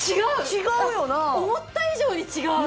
違うよな思った以上に違う！